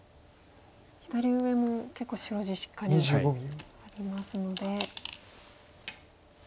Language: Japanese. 左上も結構白地しっかりありますので。